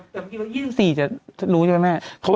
แต่เมื่อกี้ว่า๒๔จะรู้ใช่ไหมแม่